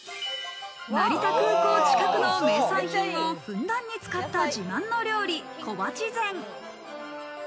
成田空港近くの名産品をふんだんに使った自慢の料理、小鉢膳。